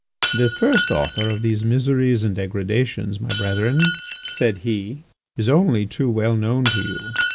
"The first author of all these miseries and degradations, my brethren," said he, "is only too well known to you.